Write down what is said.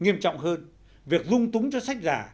nghiêm trọng hơn việc dung túng cho sách giả